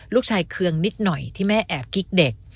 เคืองนิดหน่อยที่แม่แอบกิ๊กเด็ก